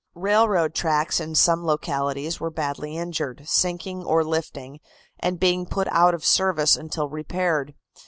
Railroad tracks in some localities were badly injured, sinking or lifting, and being put out of service until repaired.